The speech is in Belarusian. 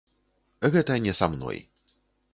Гэта не са мной.